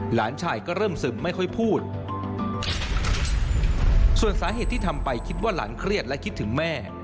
หลานชายก็เริ่มซึมไม่ค่อยพูดส่วนสาเหตุที่ทำไปคิดว่าหลานเครียดและคิดถึงแม่